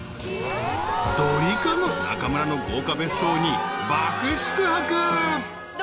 ［ドリカム中村の豪華別荘に爆宿泊］